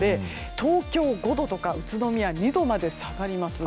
東京、５度とか宇都宮、２度まで下がります。